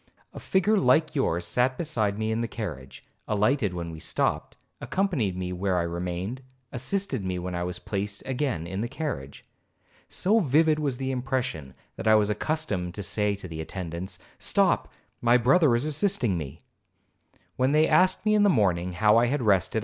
A figure like yours sat beside me in the carriage, alighted when we stopped, accompanied me where I remained, assisted me when I was placed again in the carriage. So vivid was the impression, that I was accustomed to say to the attendants, 'Stop, my brother is assisting me.' When they asked me in the morning how I had rested?